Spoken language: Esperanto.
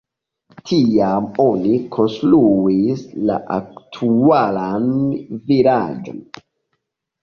Tiam oni konstruis la aktualan vilaĝon.